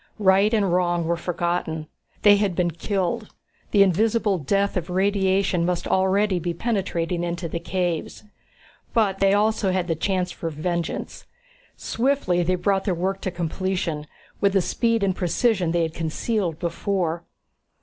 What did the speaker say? Right and wrong were forgotten. They had been killed the invisible death of radiation must already be penetrating into the caves but they also had the chance for vengeance. Swiftly they brought their work to completion, with a speed and precision they had concealed before.